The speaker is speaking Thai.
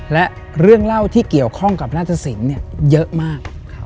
และเรื่องเล่าที่เกี่ยวข้องกับราชสินเยอะมาก